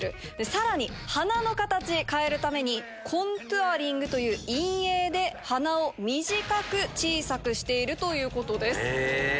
さらに鼻の形を変えるためにコントゥアリングという陰影で鼻を短く小さくしているということです。